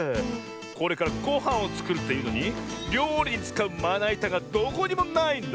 これからごはんをつくるっていうのにりょうりにつかうまないたがどこにもないんだ。